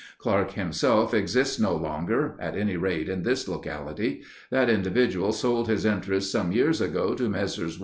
Clark himself exists no longer, at any rate in this locality; that individual sold his interests some years ago to Messrs.